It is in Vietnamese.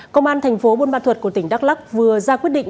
công an thành phố buôn ma thuật của tỉnh đắk lắc vừa ra quyết định